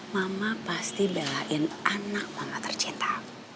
mama pasti belain anak mama tercinta